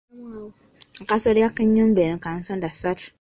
Akasolya k'ennyumba eno ka nsondassatu.